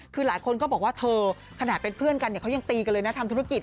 คือหลายคนก็บอกว่าเธอขนาดเป็นเพื่อนกันเนี่ยเขายังตีกันเลยนะทำธุรกิจ